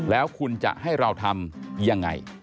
แล้วคุณจะให้เราทำยังไง